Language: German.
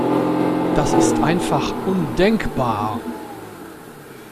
Das ist einfach undenkbar!